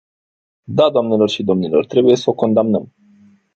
Da, doamnelor și domnilor, trebuie să o condamnăm!